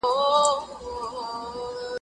تازه شیدې د ماشومانو د روغتیا لپاره ډېرې ګټورې دي.